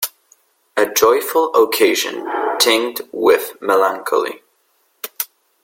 A joyful occasion tinged with melancholy.